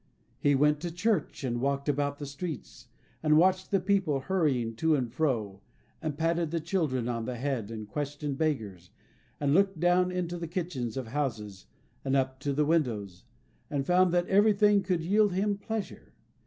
He went to church, and walked about the streets, and watched the people hurrying to and fro, and patted the children on the head, and questioned beggars, and looked down into the kitchens of houses and up to the windows, and found that every thing could yield him pleasure.